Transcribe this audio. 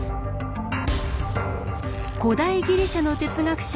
古代ギリシャの哲学者